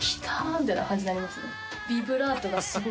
みたいな感じになりますね。